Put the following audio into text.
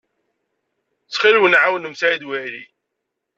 Ttxil-wen, ɛawnem Si Ḥmed Waɛli.